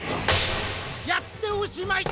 やっておしまい！